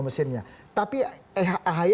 mesinnya tapi ahy